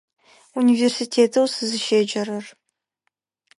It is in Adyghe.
Университетэу сызыщеджэрэр.